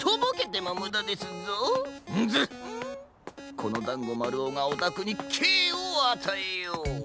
このだんごまるおがおたくにけいをあたえよう。